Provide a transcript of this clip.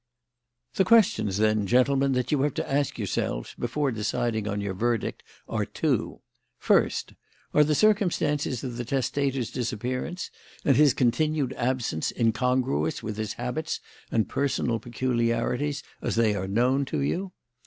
"The questions, then, gentlemen, that you have to ask yourselves before deciding on your verdict are two: first, Are the circumstances of the testator's disappearance and his continued absence incongruous with his habits and personal peculiarities as they are known to you?